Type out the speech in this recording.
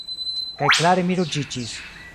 Kaj klare mi ruĝiĝis.